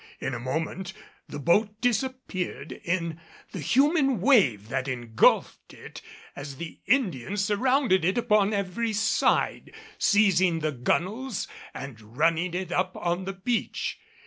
In a moment the boat disappeared in the human wave that engulfed it as the Indians surrounded it upon every side, seizing the gunwales and running it up on the beach.